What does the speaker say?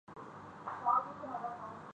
سب سے بڑی ترغیب تو عوام میں مقبولیت کی خواہش ہے۔